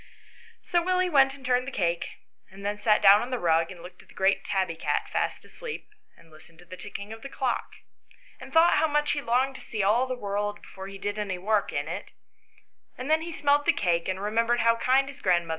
So Willie went and turned the cake, and then sat down on the rug and looked at the great tabby cat fast asleep, and listened to the ticking of the clock, and thought how much he longed to see all the world before he did any work in it ; and then he smelt the cake, and remembered how kind his grandmother was to him.